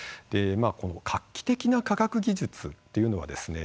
画期的な科学技術っていうのはですね